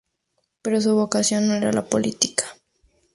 Pero su vocación no era la política.